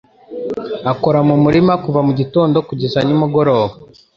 Akora mu murima kuva mu gitondo kugeza nimugoroba.